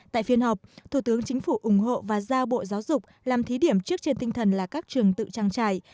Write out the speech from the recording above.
tại phiên họp thủ tướng chính phủ ủng hộ và giao bộ giáo dục làm thí điểm trước trên tinh thần là các trường tự trang trải